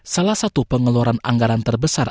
salah satu pengeluaran anggaran terbesar